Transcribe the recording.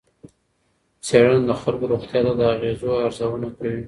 څېړنه د خلکو روغتیا ته د اغېزو ارزونه کوي.